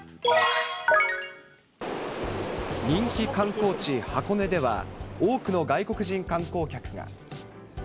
人気観光地、箱根では多くの外国人観光客が。